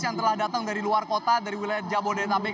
yang telah datang dari luar kota dari wilayah jabodetabek